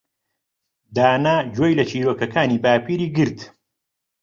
دانا گوێی لە چیرۆکەکانی باپیری گرت.